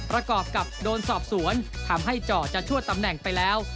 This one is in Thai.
ประกอบกับโดนสอบสวนทำให้เจาะจะชั่วตำแหน่งไปแล้ว